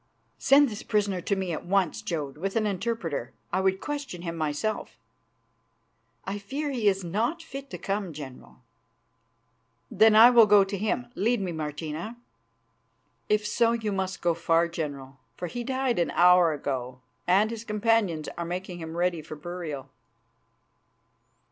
"Send this prisoner to me at once, Jodd, with an interpreter. I would question him myself." "I fear he is not fit to come, General." "Then I will go to him. Lead me, Martina." "If so, you must go far, General, for he died an hour ago, and his companions are making him ready for burial."